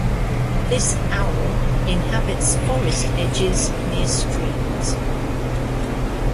This owl inhabits forest edges near streams.